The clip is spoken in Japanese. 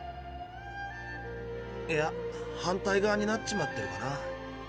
いや反対側になっちまってるかな。